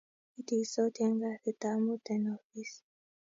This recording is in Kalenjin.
kituisotii en kazit ab muut en ofis